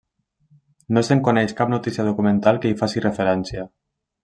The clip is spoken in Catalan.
No se'n coneix cap notícia documental que hi faci referència.